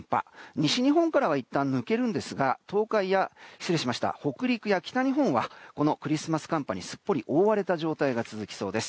西日本からはいったん抜けますが北陸や北日本はこのクリスマス寒波にすっぽりと覆われる状態が続きそうです。